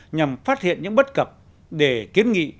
nhằm phát hiện những bất cập để kiến nghị